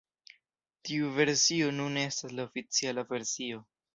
Tiu versio nune estas la oficiala versio.